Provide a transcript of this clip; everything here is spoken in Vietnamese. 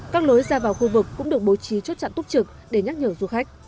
các lối ra vào khu vực cũng được bố trí chốt chặn túc trực để nhắc nhở du khách